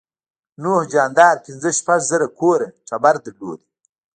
نوح جاندار پنځه شپږ زره کوره ټبر درلود.